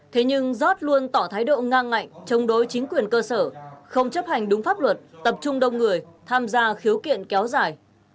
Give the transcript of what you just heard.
thế nhưng giót luôn tỏ thái độ ngang ngạnh chống đối chính quyền cơ sở không chấp hành đúng pháp luật tập trung đông người tham gia khiếu kiện kéo dài